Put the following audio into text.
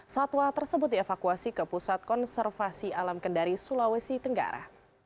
satwa tersebut dievakuasi ke pusat konservasi alam kendari sulawesi tenggara